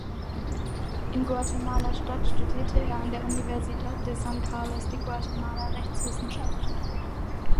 In Guatemala-Stadt studierte er an der Universidad de San Carlos de Guatemala Rechtswissenschaft.